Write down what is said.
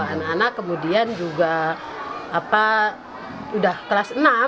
anak anak kemudian juga sudah kelas enam